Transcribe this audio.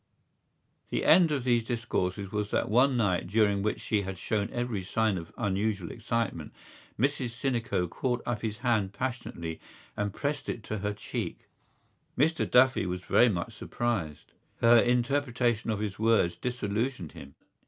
The end of these discourses was that one night during which she had shown every sign of unusual excitement, Mrs Sinico caught up his hand passionately and pressed it to her cheek. Mr Duffy was very much surprised. Her interpretation of his words disillusioned him.